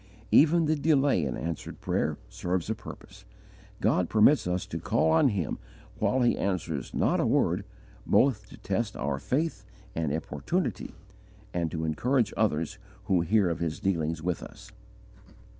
Even the delay in answered prayer serves a purpose. God permits us to call on Him while He answers not a word, both to test our faith and importunity, and to encourage others who hear of His dealings with us.